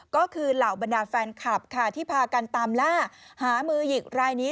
ก็คือเหล่าบรรดาแฟนคลับค่ะที่พากันตามล่าหามือหยิกรายนี้